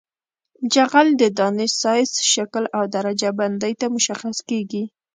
جغل د دانې سایز شکل او درجه بندۍ ته مشخص کیږي